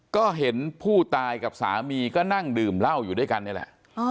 ก็เห็นผู้ตายกับสามีก็นั่งดื่มเหล้าอยู่ด้วยกันนี่แหละ